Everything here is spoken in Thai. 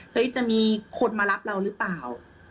เฮ้ยจะมีคนมารับเรารึเปล่า